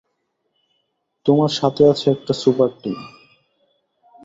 তোমার সাথে আছে একটা সুপার টিম।